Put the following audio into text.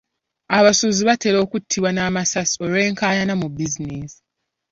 Abasuubuzi batera okuttibwa n'amasasi olw'enkaayana mu bizinensi.